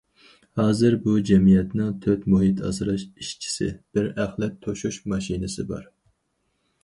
ھازىر، بۇ جەمئىيەتنىڭ تۆت مۇھىت ئاسراش ئىشچىسى، بىر ئەخلەت توشۇش ماشىنىسى بار.